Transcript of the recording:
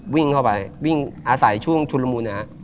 วิ่งเข้าไปอาศัยช่วงชุรมูนะ